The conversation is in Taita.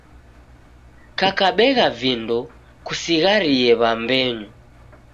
Kakabegha vindo kusigharie wambenyu